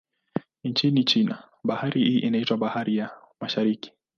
Nchini China, bahari hii inaitwa Bahari ya Mashariki.